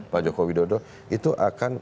pak joko widodo itu akan